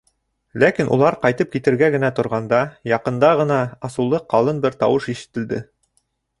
Ләкин улар ҡайтып китергә генә торғанда, яҡында ғына асыулы ҡалын бер тауыш ишетелде.